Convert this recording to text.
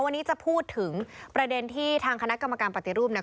วันนี้จะพูดถึงประเด็นที่ทางคณะกรรมการปฏิรูปนะ